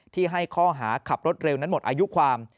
ให้ข้อหาขับรถเร็วนั้นหมดอายุความ